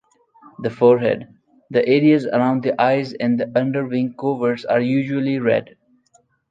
The forehead, the areas around the eyes and underwing coverts are usually red.